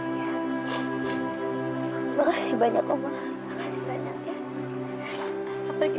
makasih banyak oma makasih banyak ya